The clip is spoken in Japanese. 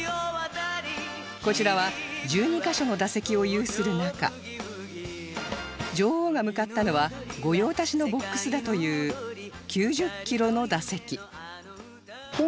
こちらは１２カ所の打席を有する中女王が向かったのは御用達のボックスだという９０キロの打席